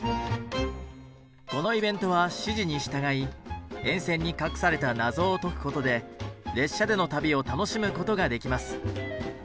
このイベントは指示に従い沿線に隠された謎を解くことで列車での旅を楽しむことができます。